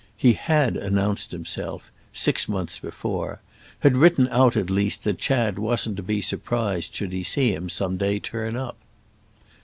He had announced himself—six months before; had written out at least that Chad wasn't to be surprised should he see him some day turn up.